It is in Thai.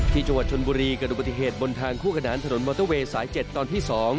ที่จังหวัดชนบุรีเกิดอุบัติเหตุบนทางคู่ขนานถนนมอเตอร์เวย์สาย๗ตอนที่๒